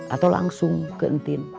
atau langsung ke entin